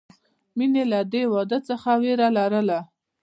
مینې له دې واده څخه وېره لرله